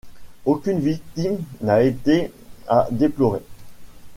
Aucune victime n'a été à déplorer.